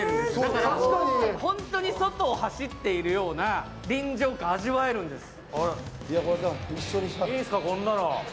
だから本当に外を走っているかのような臨場感を味わえるんです。